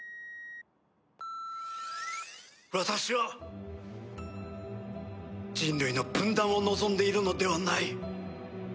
「私は人類の分断を望んでいるのではない」